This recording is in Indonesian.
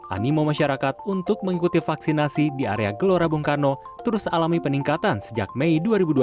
animo masyarakat untuk mengikuti vaksinasi di area gelora bung karno terus alami peningkatan sejak mei dua ribu dua puluh